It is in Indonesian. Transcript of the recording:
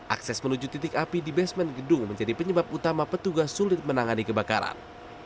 akses menuju titik api di basement gedung menjadi penyebab utama petugas sulit menangani kebakaran